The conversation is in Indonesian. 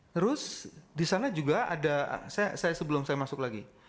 terus di sana juga ada sebelum saya masuk lagi